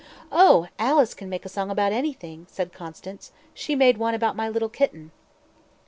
"Oh! Alice can make a song about anything," said Constance; "she made one about my little kitten."